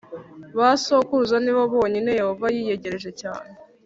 Ba sokuruza ni bo bonyine Yehova yiyegereje cyane